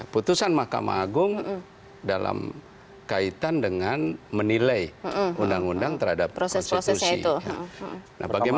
putusan mahkamah agung dalam kaitan dengan menilai undang undang terhadap konstitusi